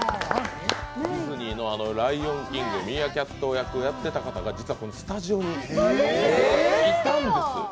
ディズニーの「ライオン・キング」、ミーアキャット役をやっていた方がスタジオにいたんです。